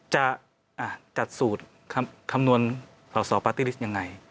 จะจัดสูตรคำนวณสอบปาร์ติฤทธิ์ยังไง